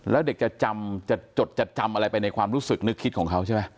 แล้วเด็กจะจำจะจดจะจำอะไรไปในความรู้สึกนึกคิดของเขาใช่ไหม